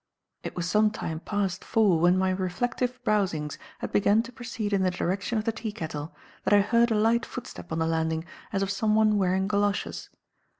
It was some time past four when my reflective browsings had begun to proceed in the direction of the teakettle, that I heard a light footstep on the landing as of someone wearing goloshes.